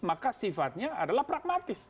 maka sifatnya adalah pragmatis